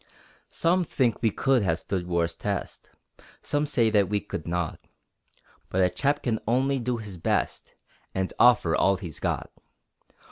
Some think we could have stood war's test, Some say that we could not, But a chap can only do his best, And offer all he's got.